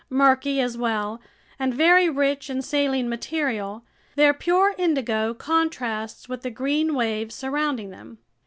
Murky as well, and very rich in saline material, their pure indigo contrasts with the green waves surrounding them.